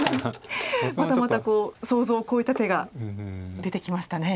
またまたこう想像を超えた手が出てきましたね。